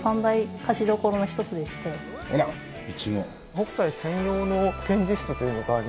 北斎専用の展示室というのがありまして。